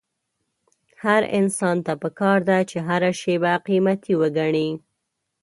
هر انسان ته پکار ده چې هره شېبه قيمتي وګڼي.